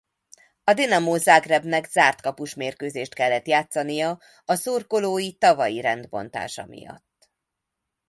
A Dinamo Zagrebnek zárt kapus mérkőzést kellett játszania a szurkolói tavalyi rendbontása miatt.